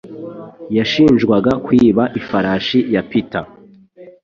Yashinjwaga kwiba ifarashi yaPeter